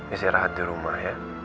isi rahat di rumah ya